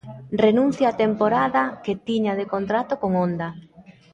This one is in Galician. Renuncia á temporada que tiña de contrato con Honda.